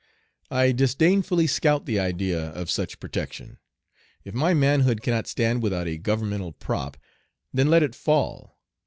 I disdainfully scout the idea of such protection. If my manhood cannot stand without a governmental prop, then let it fall.